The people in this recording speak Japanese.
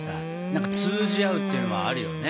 何か通じ合うっていうのはあるよね。